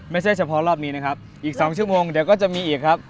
ไม่ใช่เฉพาะรอบนี้นะครับอีก๒ชั่วโมงเดี๋ยวก็จะมีอีกครับ